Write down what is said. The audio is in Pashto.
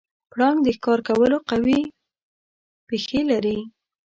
پړانګ د ښکار کولو لپاره قوي پښې لري.